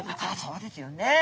そうですよね。